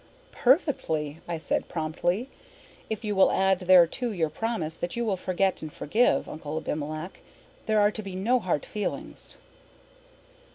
"Perfectly," I said promptly. "If you will add thereto your promise that you will forget and forgive, Uncle Abimelech. There are to be no hard feelings."